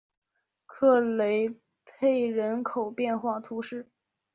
克雷佩人口变化图示